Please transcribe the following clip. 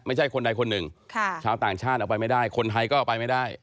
ไม่ใช่คนใดคนหนึ่งชาวต่างชาติออกไปไม่ได้คนไทยก็เอาไปไม่ได้